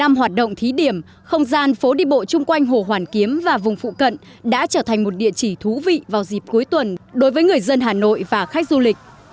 trong hoạt động thí điểm không gian phố đi bộ chung quanh hồ hoàn kiếm và vùng phụ cận đã trở thành một địa chỉ thú vị vào dịp cuối tuần đối với người dân hà nội và khách du lịch